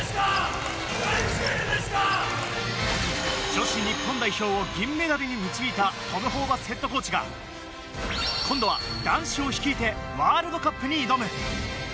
女子日本代表を銀メダルに導いたトム・ホーバスヘッドコーチが今度は男子を率いてワールドカップに挑む。